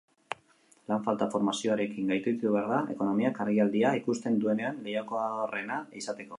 Lan falta formazioarekin gainditu behar da, ekonomiak argialdia ikusten duenean lehiakorrena izateko.